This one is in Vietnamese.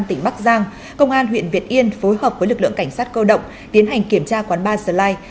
tỉnh bắc giang công an huyện việt yên phối hợp với lực lượng cảnh sát cơ động tiến hành kiểm tra quán ba sli